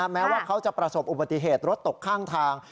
แม้ว่าเขาจะประสบอุบัติเหตุรถตกข้างทาง